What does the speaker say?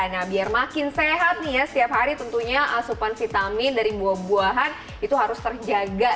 nah biar makin sehat nih ya setiap hari tentunya asupan vitamin dari buah buahan itu harus terjaga